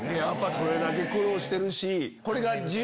それだけ苦労してるし。